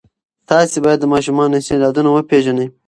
تاسې باید د ماشومانو استعدادونه وپېژنئ.